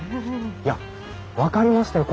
いや分かりましたよ。